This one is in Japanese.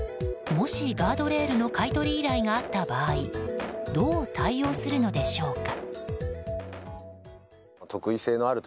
もし、ガードレールの買い取り依頼があった場合どう対応するのでしょうか。